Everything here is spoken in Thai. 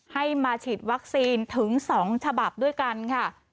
ให้มาฉีดวัคซีนถึง๒ฉบับด้วยกันค่ะ